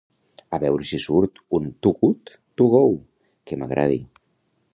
A veure si surt un Too Good To Go que m'agradi